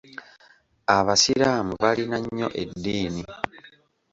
Abasiraamu balina nnyo eddiini